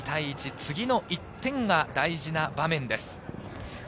次の１点が大事な場面です。